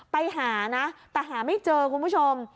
ไปหานะแต่หาไม่เจอคุณผู้ชม